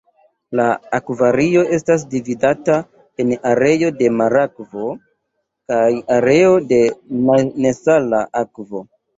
La "akvario" estas dividata en areo de marakvo kaj areo de nesala akvo.